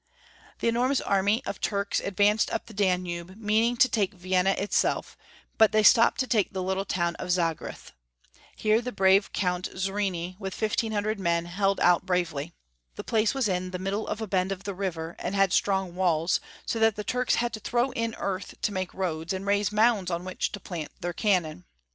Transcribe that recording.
The enormous army of Turks ad vanced up the Danube, meaning to take Vienna itself, but they stopped to take the little town of Zagreth. Here the brave Count Zrini with 1500 men held out bravely. The place was in the middle of a bend of the river, and had strong walls, so that the Turks had to throAV in earth to make roads, and raise mounds on which to plant their cannon.